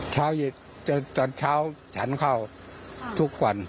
เช้าหญิตเด็ดเช้าฉานเข้าทุกกว่าน